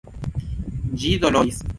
Ĝi doloris.